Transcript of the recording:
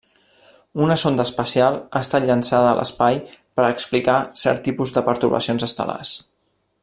Una sonda espacial ha estat llançada a l'espai per explicar cert tipus de pertorbacions estel·lars.